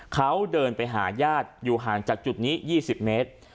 เขาเดินไปหาญาติอยู่ห่างจากจุดนี้๒๐เมตร